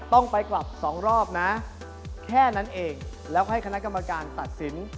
ต้องไปกลับสองรอบนะแค่นั้นเองแล้วก็ให้คณะกรรมการตัดสิน